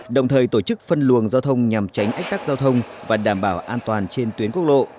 đồng thời tổ chức phân luồng giao thông nhằm tránh ách tắc giao thông và đảm bảo an toàn trên tuyến quốc lộ